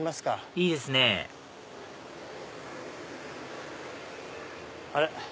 いいですねあれ？